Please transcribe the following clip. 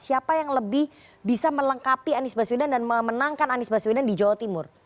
siapa yang lebih bisa melengkapi anies baswedan dan memenangkan anies baswedan di jawa timur